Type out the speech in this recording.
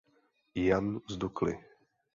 Jan z Dukly.